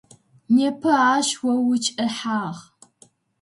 Непэ ащ о укӏэхьагъ.